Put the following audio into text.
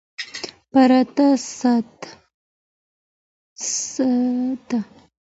پرتله سته.